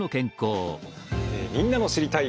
みんなの「知りたい！」